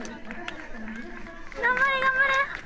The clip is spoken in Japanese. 頑張れ、頑張れ。